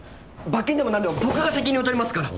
罰金でもなんでも僕が責任を取りますから！